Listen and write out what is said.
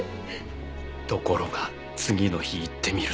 ところが次の日行ってみると。